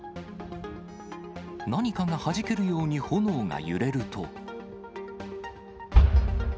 何かがはじけるように炎が揺れると。